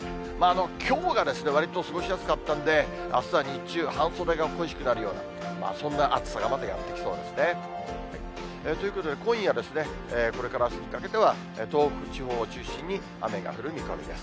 きょうがわりと過ごしやすかったんで、あすは日中、半袖が恋しくなるような、そんな暑さがまたやって来そうですね。ということで、今夜、これからあすにかけては、東北地方を中心に雨が降る見込みです。